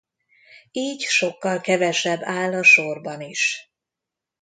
Így sokkal kevesebb áll a sorban is.